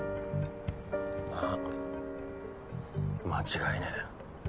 ああ間違いねぇ。